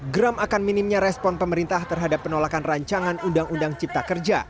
gram akan minimnya respon pemerintah terhadap penolakan rancangan undang undang cipta kerja